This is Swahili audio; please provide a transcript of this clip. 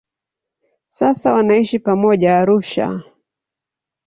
Sasa wanaishi pamoja Arusha.